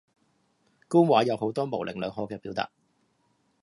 官話有好多模棱兩可嘅表達